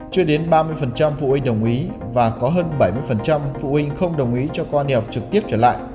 chưa đến ba mươi phụ huynh đồng ý và có hơn bảy mươi phụ huynh không đồng ý cho con đèo trực tiếp trở lại